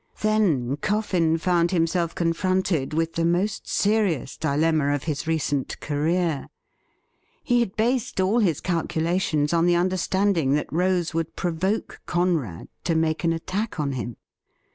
Then Coffin found himself confronted with the most serious dilemma of his recent career. He had based all his calculations on the understanding that Rose would pro voke Conrad to make an attack on him.